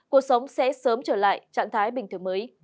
cuộc sống sẽ sớm trở lại trạng thái bình thường mới